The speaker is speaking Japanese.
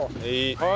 はい。